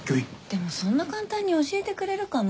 でもそんな簡単に教えてくれるかな？